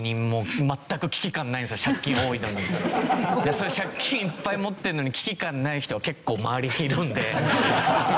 そういう借金いっぱい持ってるのに危機感ない人が結構周りにいるんで。